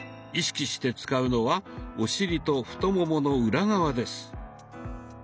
意識して使うのはお尻と太ももの裏側です。